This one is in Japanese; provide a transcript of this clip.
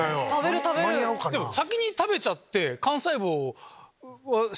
先に食べちゃって。